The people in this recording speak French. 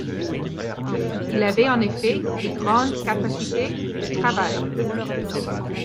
Il avait en effet de grandes capacités de travail.